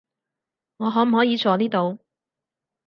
我可唔可以坐呢度？